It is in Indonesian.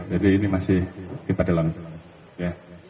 jadi ini masih kita dalami